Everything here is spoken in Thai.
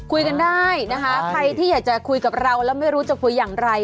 คุยกันได้นะคะใครที่อยากจะคุยกับเราแล้วไม่รู้จะคุยอย่างไร